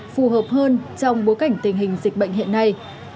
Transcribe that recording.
phù hợp hơn trong bối cảnh tình hình dịch bệnh hiện nay